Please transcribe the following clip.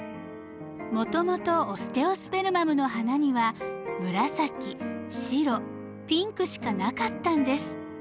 もともとオステオスペルマムの花には紫白ピンクしかなかったんです。